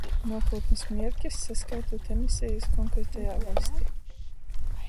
Nuokūtnis mierkis, saskaitūt emisejis konkretajā vaļstī.